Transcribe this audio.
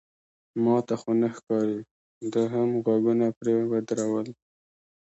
ما ته خو نه ښکاري، ده هم غوږونه پرې ودرول.